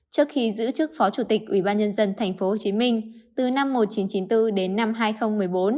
trước khi giữ chức phó chủ tịch ủy ban nhân dân tp hcm từ năm một nghìn chín trăm chín mươi bốn đến năm hai nghìn một mươi bốn